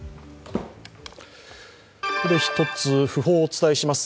ここで一つ、訃報をお伝えします。